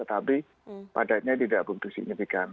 tapi padatnya tidak begitu signifikan